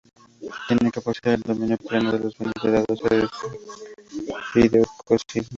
Tiene que poseer el dominio pleno de los bienes dados en fideicomiso.